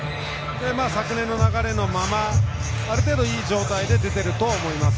昨年の流れのまま、ある程度いい状態で出ていると思います。